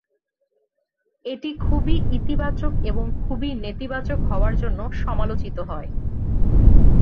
এটি "খুবই ইতিবাচক" এবং "খুবই নেতিবাচক" হওয়ার জন্য সমালোচিত হয়।